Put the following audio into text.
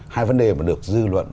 hai vấn đề mà được dư luận